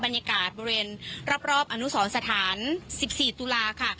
บรรยากาศบริเวณรอบอนุสรสถาน๑๔ตุลาค่ะ